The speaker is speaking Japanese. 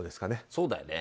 そうだよね。